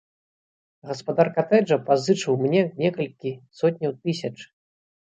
Гаспадар катэджа пазычыў мне некалькі сотняў тысяч!